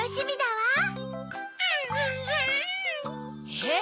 えっ？